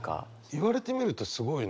言われてみるとすごいね。